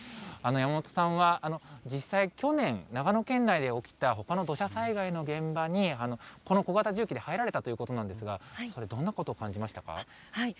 山本さんは、実際去年、長野県内で起きたほかの土砂災害の現場に、この小型重機で入られたということなんですが、それ、どんなことを感じましたか？